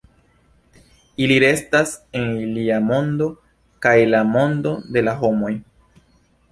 Ili restas en ilia mondo, kaj la mondo de la homoj.